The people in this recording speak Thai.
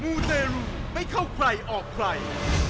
มูเตรุไม่เข้าใครออกใคร